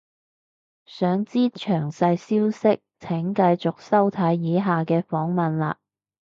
想知詳細消息請繼續收睇以下嘅訪問喇